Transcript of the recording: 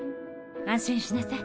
安心しなさい。